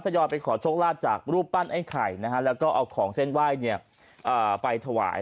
ยอยไปขอโชคลาภจากรูปปั้นไอ้ไข่นะฮะแล้วก็เอาของเส้นไหว้ไปถวาย